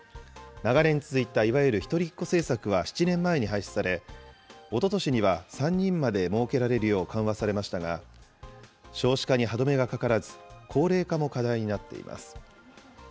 長年続いたいわゆる一人っ子政策は７年前に廃止され、おととしには３人までもうけられるよう緩和されましたが、少子化に歯止めがかからず、高齢化も課題になっています。